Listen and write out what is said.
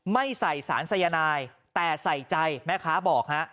ไม่ใส่สารไซยาไนด์แต่ใส่ใจแม่ค้าบอก